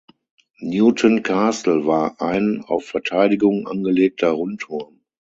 Newtown Castle war ein auf Verteidigung angelegter Rundturm.